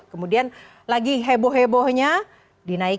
kemudian lagi heboh hebohnya kasus menteri pertanian ini berada di indonesia